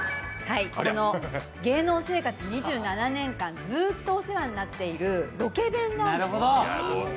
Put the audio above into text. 芸能生活２７年間、ずっとお世話になっているロケ弁なんです。